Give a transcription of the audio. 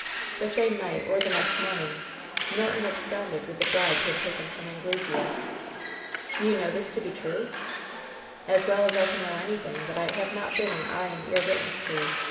The same night, or the next morning, Norton ab sconded with the bribe he had taken from Anglesea." "You know this to be true ?" ^*As well as I can know anything that I have not been an eye and ear witness to.